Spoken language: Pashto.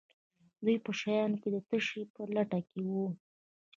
دوی په شیانو کې د تشې په لټه کې وي.